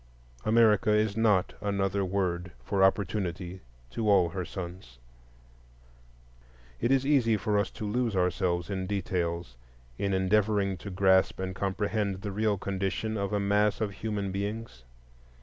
America is not another word for Opportunity to all her sons. It is easy for us to lose ourselves in details in endeavoring to grasp and comprehend the real condition of a mass of human beings.